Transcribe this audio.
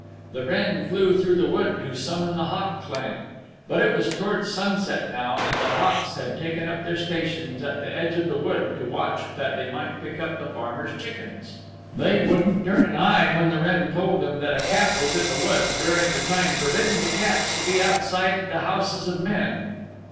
The wren flew through the wood to summon the Hawk Clan. But it was towards sunset now and the hawks had taken up their stations at the edge of the wood to watch that they might pick up the farmers' chickens. They wouldn't turn an eye when the wren told them that a cat was in the wood during the time forbidden to cats to be outside the houses of men.